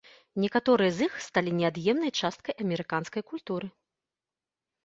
Некаторыя з іх сталі неад'емнай часткай амерыканскай культуры.